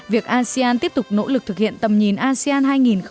việc asean tiếp tục nỗ lực thực hiện tầm nhìn asean hai nghìn hai mươi năm